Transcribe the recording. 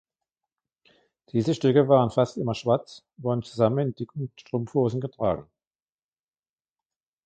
Diese Stücke waren fast immer schwarz und wurden zusammen mit dicken Strumpfhosen getragen.